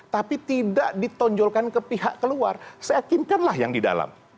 tapi tidak ditonjolkan ke pihak keluar seyakinkanlah yang di dalam